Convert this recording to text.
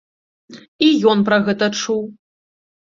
І ён пра гэта чуў.